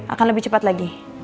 akan lebih cepat lagi